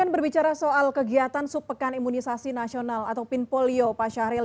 berbicara soal kegiatan supekan imunisasi nasional atau pinpolio pak syahril